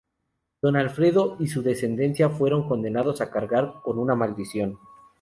Don Alfredo y su descendencia fueron condenados a cargar con una maldición.